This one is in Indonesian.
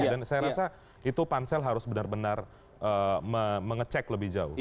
dan saya rasa itu pansel harus benar benar mengecek lebih jauh